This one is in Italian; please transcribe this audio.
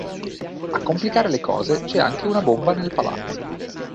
A complicare le cose c'è anche una bomba nel palazzo.